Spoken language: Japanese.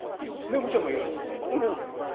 猫ちゃんもいるんですか？